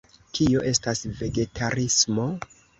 Kio estas vegetarismo?